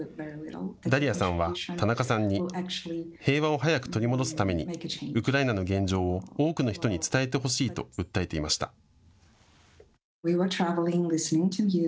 ダリアさんは、田中さんに平和を早く取り戻すためにウクライナの現状を多くの人に伝えてほしいと訴えていました。